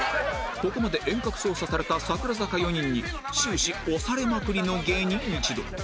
ここまで遠隔操作された櫻坂４人に終始押されまくりの芸人一同